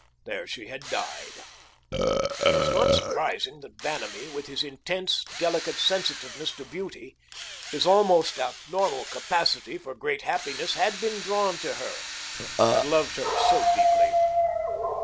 There she had died. It was not surprising that Vanamee, with his intense, delicate sensitiveness to beauty, his almost abnormal capacity for great happiness, had been drawn to her, had loved her so deeply.